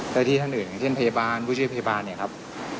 และที่ทางอื่นเช่นพยาบาลผู้เชี่ยวพยาบาลเนี่ยครับ